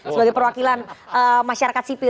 sebagai perwakilan masyarakat sipil